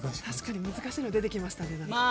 確かに難しいの出てきた。